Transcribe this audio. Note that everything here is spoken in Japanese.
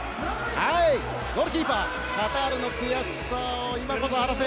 ゴールキーパーカタールの悔しさを今こそ晴らせ